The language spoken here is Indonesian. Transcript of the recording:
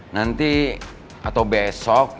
nanti atau besok